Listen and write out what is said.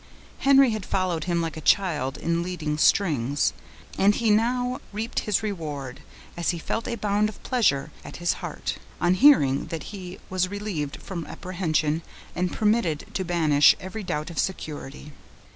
Henry had followed him like a child in leading strings, and he now reaped his reward, as he felt a bound of pleasure at his heart, on hearing that he was relieved from apprehension, and permitted to banish every doubt of security.